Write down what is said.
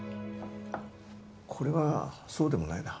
これはそうでもないな。